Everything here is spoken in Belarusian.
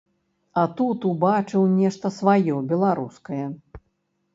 А тут убачыў нешта сваё, беларускае.